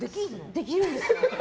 できるんですよ。